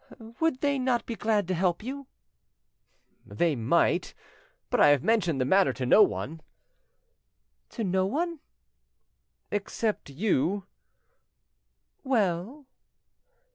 "Would they not be glad to help you?" "They might. But I have mentioned the matter to no one." "To no one?" "Except you." "Well?"